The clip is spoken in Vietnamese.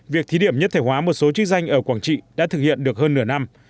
việc thí điểm nhất thể hóa một số chức danh ở quảng trị đã thực hiện được hơn nửa năm